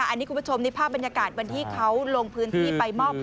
อันนี้คุณผู้ชมนี่ภาพบรรยากาศวันที่เขาลงพื้นที่ไปมอบ